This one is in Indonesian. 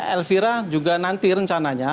elvira juga nanti rencananya